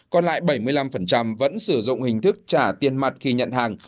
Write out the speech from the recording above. còn lại bảy mươi năm vẫn sử dụng hình thức trả tiền mặt khi nhận hàng